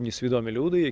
kita tidak perlu itu